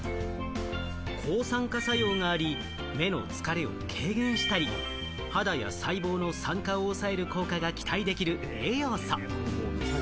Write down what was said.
抗酸化作用があり、目の疲れを軽減したり、肌や細胞の酸化を抑える効果が期待できる栄養素。